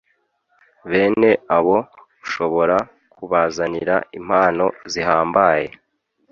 Bene abo ushobora kubazanira impano zihambaye